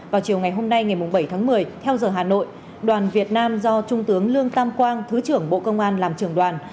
vào chiều ngày hôm nay ngày bảy tháng một mươi theo giờ hà nội đoàn việt nam do trung tướng lương tam quang thứ trưởng bộ công an làm trưởng đoàn